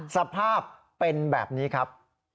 สภาพเป็นแบบนี้ครับ